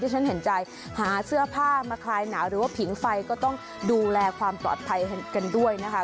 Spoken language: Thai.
ฉันเห็นใจหาเสื้อผ้ามาคลายหนาวหรือว่าผิงไฟก็ต้องดูแลความปลอดภัยกันด้วยนะคะ